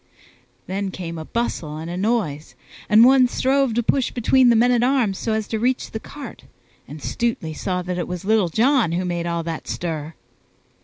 Then came a bustle and a noise, and one strove to push between the men at arms so as to reach the cart, and Stutely saw that it was Little John that made all that stir.